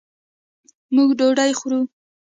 موږ ډوډۍ خورو